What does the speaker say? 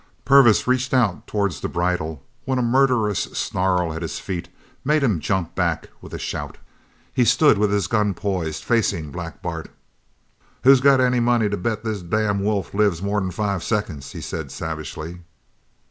Purvis reached out towards the bridle when a murderous snarl at his feet made him jump back with a shout. He stood with his gun poised, facing Black Bart. "Who's got any money to bet this damn wolf lives more'n five seconds?" he said savagely.